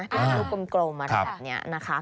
สมมุติว่าเยี่ยมมากสมมุติมันจะคลิกลงกลมมาแถบนี้นะคะ